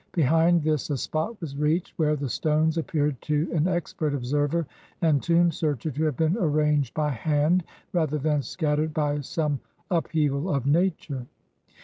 Behind this a spot was reached where the stones appeared to an expert observer and tomb searcher to have been arranged "by hand," rather than scattered by some upheaval of nature.